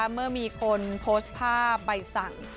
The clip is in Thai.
เมื่อมีคนโพสต์ภาพใบสั่ง